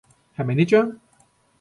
係咪呢張？